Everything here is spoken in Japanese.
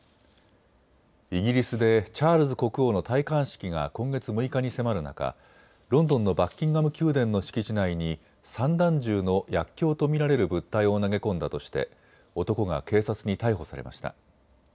イギリスでチャールズ国王の戴冠式が今月６日に迫る中、ロンドンのバッキンガム宮殿の敷地内に散弾銃の薬きょうと見られる物体を投げ込んだとして男が警察に逮捕されました。